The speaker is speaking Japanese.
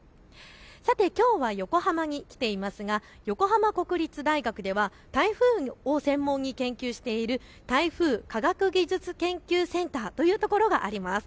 さて、きょうは横浜に来ていますが横浜国立大学では台風を専門に研究している台風科学技術研究センターというところがあります。